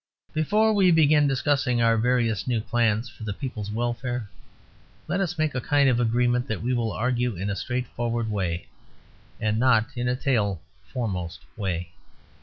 Before we begin discussing our various new plans for the people's welfare, let us make a kind of agreement that we will argue in a straightforward way, and not in a tail foremost way.